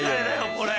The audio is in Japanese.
これ。